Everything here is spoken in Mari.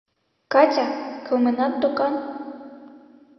— Катя, кылменат докан...